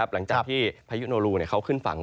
หลังจากที่พายุโนรูเขาขึ้นฝั่ง